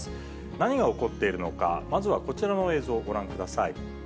何が起こっているのか、まずはこちらの映像、ご覧ください。